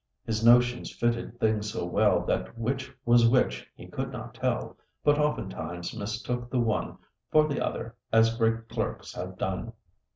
His notions fitted things so well, That which was which he could not tell, But oftentimes mistook the one For th' other, as great clerks have done.